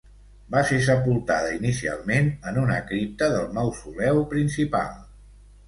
Va ser sepultada inicialment en una cripta del Mausoleu principal.